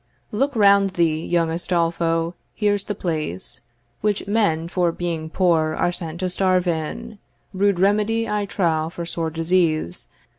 Look round thee, young Astolpho: Here's the place Which men (for being poor) are sent to starve in; Rude remedy, I trow, for sore disease.